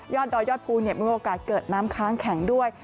ดอยยอดภูมิมีโอกาสเกิดน้ำค้างแข็งด้วย